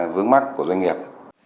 vướng mắt của doanh nghiệp